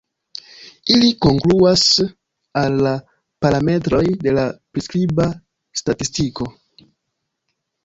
Ili kongruas al la "parametroj" de la priskriba statistiko.